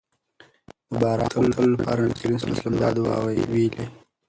د باران غوښتلو لپاره نبي کريم صلی الله علیه وسلم دا دعاء ويلي